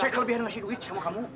saya kelebihan ngasih duit sama kamu